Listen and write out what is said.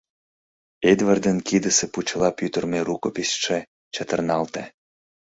Эдвардын кидысе пучла пӱтырымӧ рукописьше чытырналте.